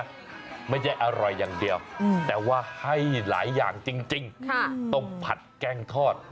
ไม่ใช่อร่อยอย่างเดียวแต่ว่าให้หลายอย่างจริงต้องผัดแกงทอด